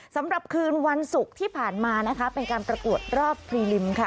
สำหรับคืนวันศุกร์ที่ผ่านมานะคะเป็นการประกวดรอบพรีลิมค่ะ